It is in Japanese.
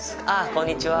こんにちは。